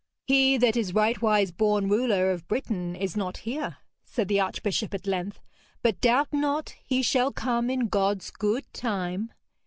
'He that is rightwise born ruler of Britain is not here,' said the archbishop at length, 'but doubt not he shall come in God's good time.